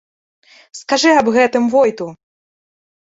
Скажы аб гэтым войту!